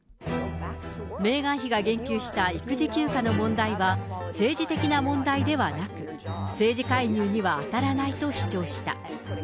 メーガン妃が言及した育児休暇の問題は、政治的な問題ではなく、政治介入には当たらないと主張した。